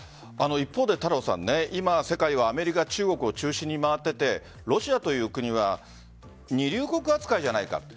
一方で今、世界はアメリカ、中国を中心に回っていてロシアという国は二流国扱いじゃないか。